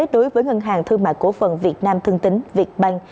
đối với ngân hàng thương mại cổ phần việt nam thương tính việt bank